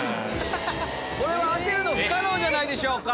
これは当てるの不可能じゃないでしょうか。